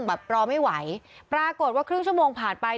แบบรอไม่ไหวปรากฏว่าครึ่งชั่วโมงผ่านไป